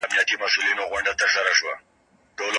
اقتصادي اړيکي خلګ سره نږدې کوي.